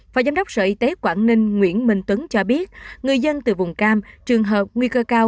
phó giám đốc sở y tế quảng ninh nguyễn minh tuấn cho biết người dân từ vùng cam trường hợp nguy cơ cao